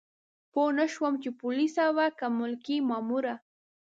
پوه نه شوم چې پولیسه وه که ملکي ماموره.